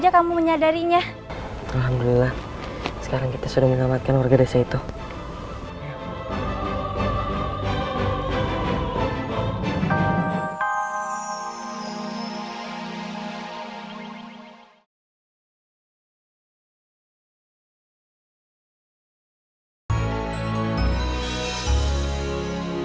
aja kamu menyadarinya alhamdulillah sekarang kita sudah menyelamatkan warga desa itu ya